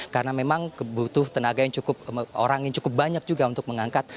karena memang butuh tenaga yang cukup orang yang cukup banyak juga untuk mengangkat